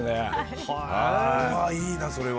いいな、それは。